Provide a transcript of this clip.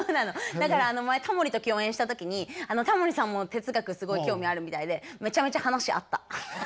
だから前タモリと共演した時にタモリさんも哲学すごい興味あるみたいでめちゃめちゃ話合った。